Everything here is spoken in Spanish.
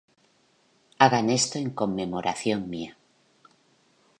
Hagan esto en conmemoración mía.